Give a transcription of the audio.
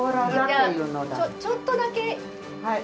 ちょっとだけ。